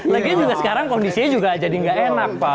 lagi juga sekarang kondisinya juga jadi nggak enak pak